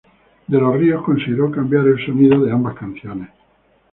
De los Ríos consideró cambiar el sonido de ambas canciones.